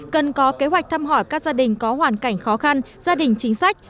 cần có kế hoạch thăm hỏi các gia đình có hoàn cảnh khó khăn gia đình chính sách